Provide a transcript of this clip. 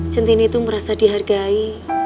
centini tuh merasa dihargai